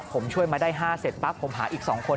ผมช่วยมาได้๕เสร็จปั๊บผมหาอีก๒คน